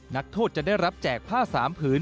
นักโทษจะได้รับแจกผ้า๓ผืน